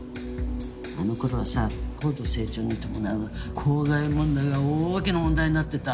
あの頃はさ高度成長に伴う公害問題が大きな問題になってた。